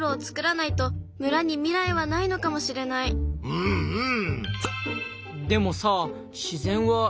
うんうん！